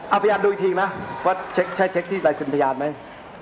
เอาพยานดูอีกทีนะรายเซ็นต์ไว้เช็คที่ไหร่ฟยานอย่างรุ่น